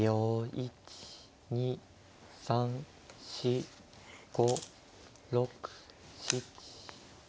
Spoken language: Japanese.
１２３４５６７。